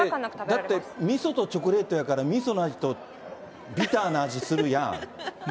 みそとチョコレートやから、みその味とビターな味するやん。